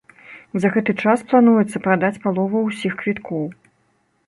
За гэты час плануецца прадаць палову ўсіх квіткоў.